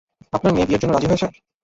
আপনার মেয়ে বিয়ের জন্য রাজি হয়েছে!